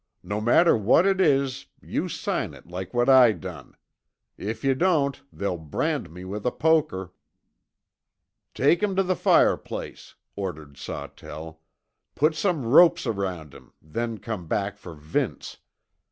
"No matter what it is, you sign it like what I done. If yuh don't they'll brand me with a poker." "Take him to the fireplace," ordered Sawtell, "put some ropes around him, then come back for Vince.